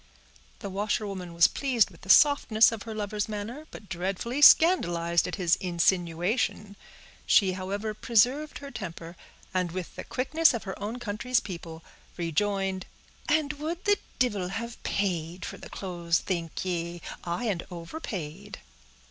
The washerwoman was pleased with the softness of her lover's manner, but dreadfully scandalized at his insinuation. She, however, preserved her temper, and with the quickness of her own country's people, rejoined, "And would the divil have paid for the clothes, think ye?—aye, and overpaid."